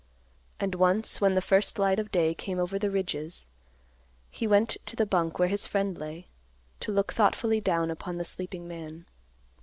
And once, when the first light of day came over the ridges, he went to the bunk where his friend lay, to look thoughtfully down upon the sleeping man.